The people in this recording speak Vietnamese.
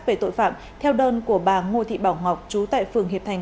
về tội phạm theo đơn của bà ngô thị bảo ngọc chú tại phường hiệp thành